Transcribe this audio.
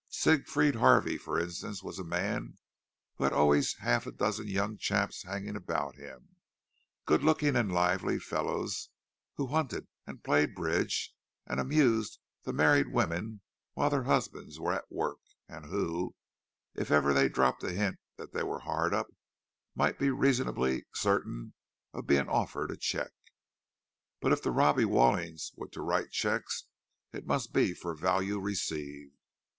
Siegfried Harvey, for instance, was a man who had always half a dozen young chaps hanging about him; good looking and lively fellows, who hunted and played bridge, and amused the married women while their husbands were at work, and who, if ever they dropped a hint that they were hard up, might be reasonably certain of being offered a cheque. But if the Robbie Wallings were to write cheques, it must be for value received.